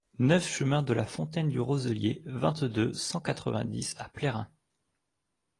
neuf chemin de la Fontaine du Roselier, vingt-deux, cent quatre-vingt-dix à Plérin